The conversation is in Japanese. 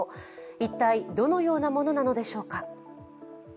一体、どのようなものなのでしょうか。